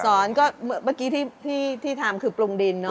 เมื่อกี้ที่ทำคือปรุงดินเนอ